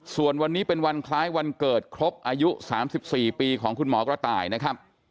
ส่วนวันนี้เป็นวันคล้ายวันเกิดครบอายุ๓๔ปีของคุณหมอกระต่ายนะครับ